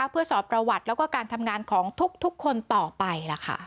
เพื่อสอบประวัติแล้วก็การทำงานของทุกคนต่อไป